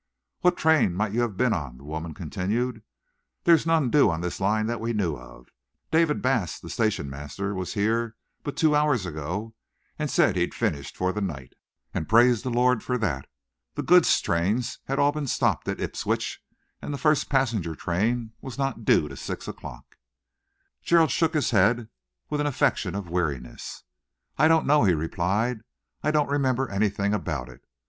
"What train might you have been on?" the woman continued. "There's none due on this line that we knew of. David Bass, the station master, was here but two hours ago and said he'd finished for the night, and praised the Lord for that. The goods trains had all been stopped at Ipswich, and the first passenger train was not due till six o'clock." Gerald shook his head with an affectation of weariness. "I don't know," he replied. "I don't remember anything about it.